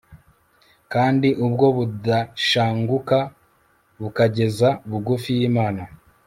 kandi ubwo budashanguka bukageza bugufi y'imana